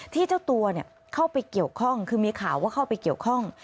เจ้าตัวเข้าไปเกี่ยวข้องคือมีข่าวว่าเข้าไปเกี่ยวข้อง